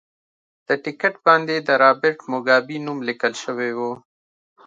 د ټکټ باندې د رابرټ موګابي نوم لیکل شوی و.